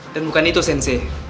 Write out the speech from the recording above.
dan bukan itu sensei